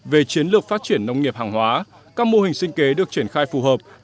về chiến lược phát triển nông nghiệp hàng hóa các mô hình sinh kế được triển khai phù hợp